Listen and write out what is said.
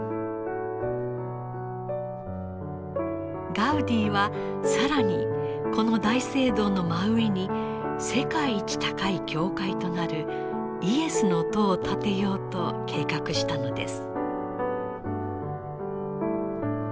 ガウディは更にこの大聖堂の真上に世界一高い教会となるイエスの塔を建てようと計画したのです。